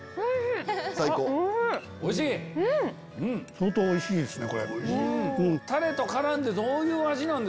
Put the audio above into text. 本当おいしいですね。